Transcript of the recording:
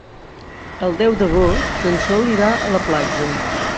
El deu d'agost en Sol irà a la platja.